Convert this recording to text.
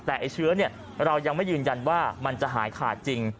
แต่ไอ้เชื้อเรายังไม่ยืนยันว่ามันจะหายขาดจริง